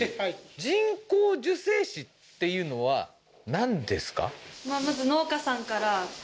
人工授精師っていうのはなんですか？